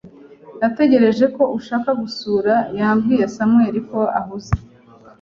Natekereje ko ushaka gusura yabwiye Samuel ko ahuze